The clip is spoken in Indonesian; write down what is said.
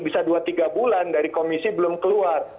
bisa dua tiga bulan dari komisi belum keluar